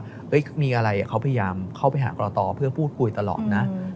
ว่ามีอะไรเขาพยายามเข้าไปหากรตอเพื่อพูดคุยตลอดนะ